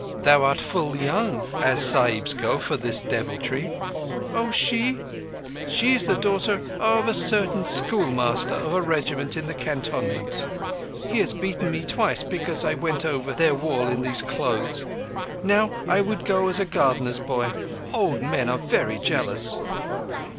_ Thou art full young, as Sahibs go, for this devilry." "Oh, she? She is the daughter of a certain schoolmaster of a regiment in the cantonments. He has beaten me twice because I went over their wall in these clothes. Now I would go as a gardener's boy. Old men are very jealous."